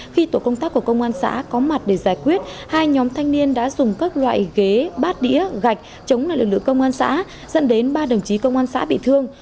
khi tổ công tác của công an xã có mặt để giải quyết hai nhóm thanh niên đã dùng các loại ghế bát đĩa gạch chống lại lực lượng công an xã dẫn đến ba đồng chí công an xã bị thương